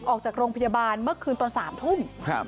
ออกจากโรงพยาบาลเมื่อคืนตอน๓ทุ่ม